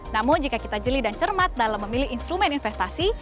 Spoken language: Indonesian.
namun jika kita jeli dan cermat dalam memilih instrumen investasi